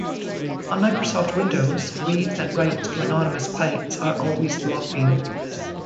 On Microsoft Windows, reads and writes to anonymous pipes are always blocking.